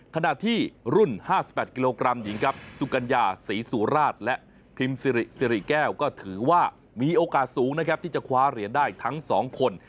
ขณะที่รุ่น๕๘กิโลกรัมหญิงครับสุกัญญาศรีสุราชและพิมซิริสิริแก้วก็ถือว่ามีโอกาสสูงนะครับที่จะคว้าเหรียญได้ทั้ง๒คน